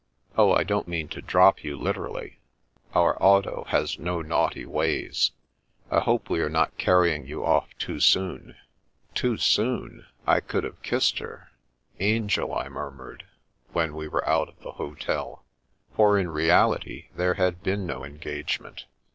"Oh, I don't mean to *drop you' literally. Our auto has no naughty ways. I hope we are not carrying you off too soon." Woman Disposes 5 Too soon ! I could have kissed her. " Angel/* I murmured, when we were out of the hotel, for in reality there had been no engagement.